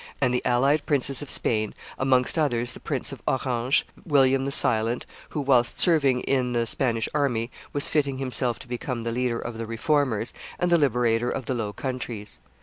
and the allied princes of Spain, amongst others the Prince of Orange, William the Silent, who, whilst serving in the Spanish army, was fitting himself to become the leader of the Reformers, and the liberator of the Low Countries.